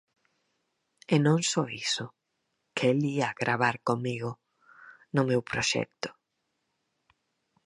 E non só iso: que el ía gravar comigo, no meu proxecto.